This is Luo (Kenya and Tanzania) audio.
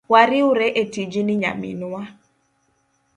Wariwre etijni nyaminwa.